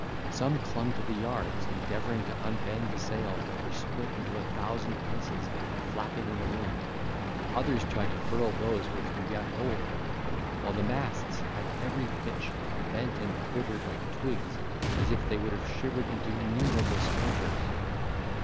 Some clung to the yards, endeavouring to unbend the sails that were split into a thousand pieces flapping in the wind; others tried to furl those which were yet whole, while the masts, at every pitch, bent and quivered like twigs, as if they would have shivered into innumerable splinters!